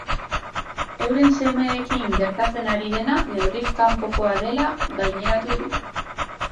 Euren semeekin gertatzen ari dena neurriz kanpokoa dela gaineratu du.